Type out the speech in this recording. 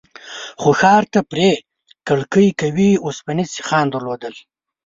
خو ښار ته پرې کړکۍ قوي اوسپنيز سيخان درلودل.